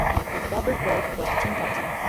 Robert Wolfe was the team captain.